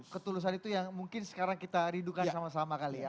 ketulusan itu yang mungkin sekarang kita ridukan sama sama kali ya